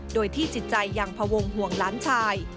โดยที่จิตใจยังพวงห่วงหลานชาย